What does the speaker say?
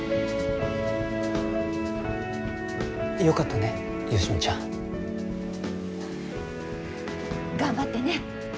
よかったね好美ちゃん。頑張ってね。